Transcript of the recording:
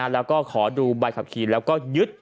แล้วก็ขอดูใบขับขี่แล้วก็ยึด